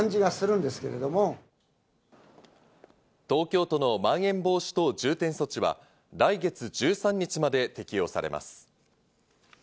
東京都のまん延防止等重点措置は来月１３日まで適用されます。